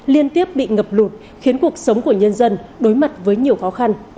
liên tiếp bị ngập lụt khiến cuộc sống của nhân dân đối mặt với nhiều khó khăn